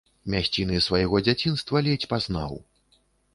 Мясціны свайго дзяцінства ледзь пазнаў.